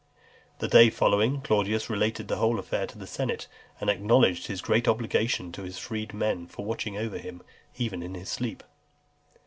The day following, Claudius related the whole affair to the senate, and acknowledged his great obligation to his freedmen for watching over him even in his sleep.